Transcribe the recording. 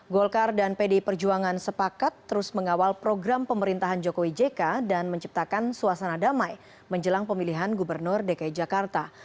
golkar dan pdi perjuangan sepakat terus mengawal program pemerintahan jokowi jk dan menciptakan suasana damai menjelang pemilihan gubernur dki jakarta